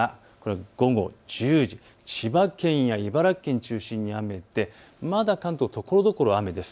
午後１０時、千葉県や茨城県中心に雨でまた関東、ところどころ雨です。